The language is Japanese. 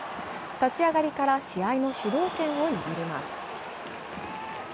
立ち上がりから試合の主導権を握ります。